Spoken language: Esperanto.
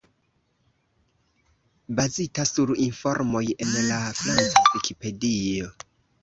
Bazita sur informoj en la franca Vikipedio.